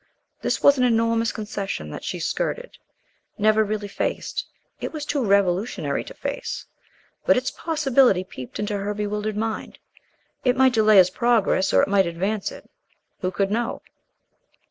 This was an enormous concession that she skirted, never really faced; it was too revolutionary to face. But its possibility peeped into her bewildered mind. It might delay his progress, or it might advance it. Who could know?